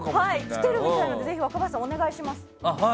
来てるみたいなのでぜひ若林さん、お願いします。